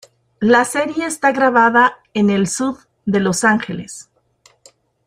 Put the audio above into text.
La serie esta grabada en el sud de Los Angeles.